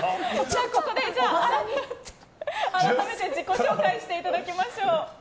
ここで改めて自己紹介していただきましょう。